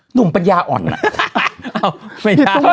หนุ่มปัญญาอ่อนอะ